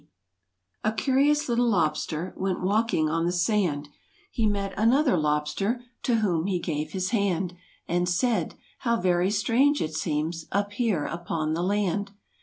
Zj curious little lobster J "Went walking on the sand — He met another lobster To whom he gave his hand, And said: "How very strange it seems Up here upon the land."